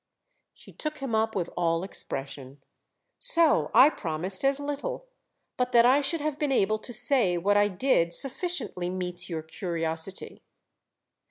She took him up with all expression. "So I promised as little! But that I should have been able to say what I did sufficiently meets your curiosity."